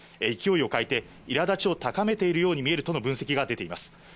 勢いを欠いて、いらだちを高めているように見えるとの分析が出ています。